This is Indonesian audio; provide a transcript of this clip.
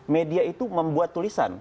media itu membuat tulisan